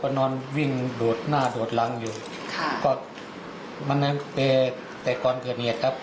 ก็นอนวิ่งดูดหน้าดูดหลังอยู่ค่ะก็มันก็แต่ก่อนเกิดเนี่ยครับ